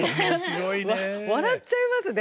笑っちゃいますね。